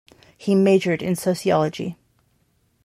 He majored in sociology.